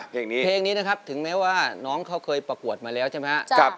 เพลงนี้เพลงนี้นะครับถึงแม้ว่าน้องเขาเคยประกวดมาแล้วใช่ไหมครับ